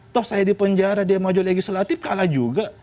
toh saya di penjara dia maju legislatif kalah juga